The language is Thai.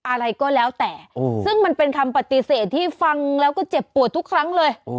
อะไรก็แล้วแต่ซึ่งมันเป็นคำปฏิเสธที่ฟังแล้วก็เจ็บปวดทุกครั้งเลย